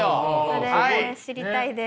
それ知りたいです。